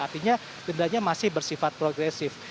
artinya dendanya masih bersifat progresif